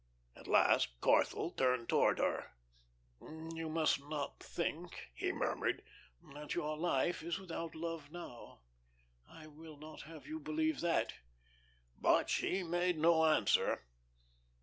At last Corthell turned towards her. "You must not think," he murmured, "that your life is without love now. I will not have you believe that." But she made no answer.